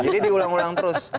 jadi diulang ulang terus